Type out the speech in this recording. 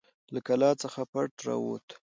له قلا څخه پټ راووت.